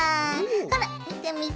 ほらみてみて！